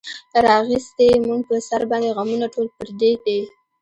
راغیستې مونږ پۀ سر باندې غمونه ټول پردي دي